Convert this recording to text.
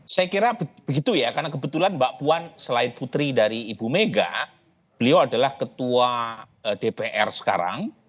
saya kira begitu ya karena kebetulan mbak puan selain putri dari ibu mega beliau adalah ketua dpr sekarang